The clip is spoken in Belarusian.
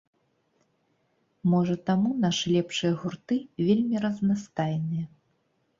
Можа таму нашы лепшыя гурты вельмі разнастайныя.